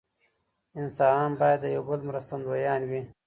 انسانان باید د یو بل مرستندویان وي.